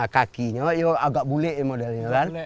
kaki juga agak bulat